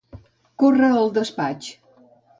Córrer el despatx.